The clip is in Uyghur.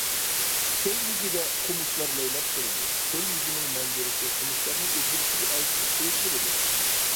كۆل يۈزىدە قومۇشلار لەيلەپ تۇرىدۇ، كۆل يۈزىنىڭ مەنزىرىسى قومۇشلارنىڭ ئۆزگىرىشىگە ئەگىشىپ ئۆزگىرىدۇ.